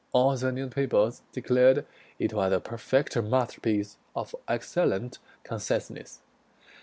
All the newspapers Declared it was a perfect masterpiece Of excellent conciseness.